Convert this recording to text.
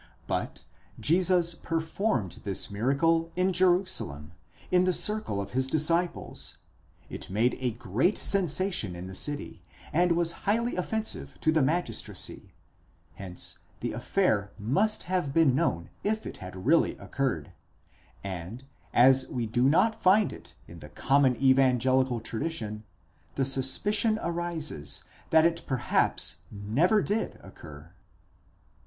But Jesus performed this miracle in Jerusalem, in the circle of his disciples ; it made a great sensa tion in the city, and was highly offensive to the magistracy, hence the affair must have been known if it had really occurred ; and as we do not find it in the com mon evangelical tradition, the suspicion arises that it perhaps never did occur.